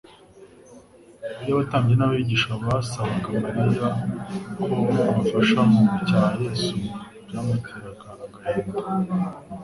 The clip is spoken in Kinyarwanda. Iyo abatambyi n'abigisha basabaga Mariya ko abafasha mu gucyaha Yesu, byamuteraga agahinda;